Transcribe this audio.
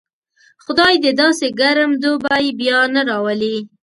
خدای دې داسې ګرم دوبی بیا نه راولي.